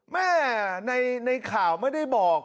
แม่ในข่าวไม่ได้บอก